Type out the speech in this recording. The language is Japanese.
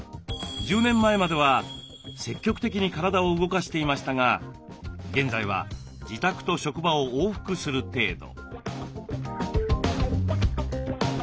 １０年前までは積極的に体を動かしていましたが現在は自宅と職場を往復する程度。